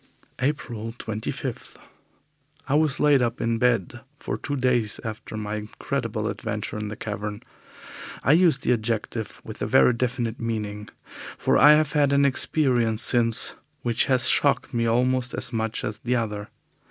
April 25. I was laid up in bed for two days after my incredible adventure in the cavern. I use the adjective with a very definite meaning, for I have had an experience since which has shocked me almost as much as the other.